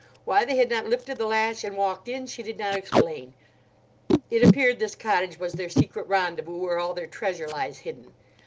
Why they had not lifted the latch and walked in, she did not explain. It appeared this cottage was their secret rendezvous, where all their treasure lies hidden.